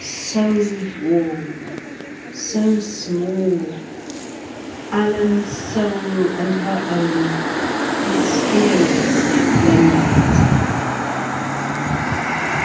So warm! So small! Alan's soul and her own, mysteriously blended.